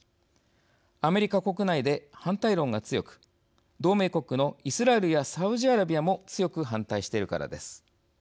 アメリカ国内で反対論が強く同盟国のイスラエルやサウジアラビアも強く反対しているからです。